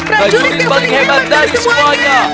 raja kerajaan yang paling hebat dari semuanya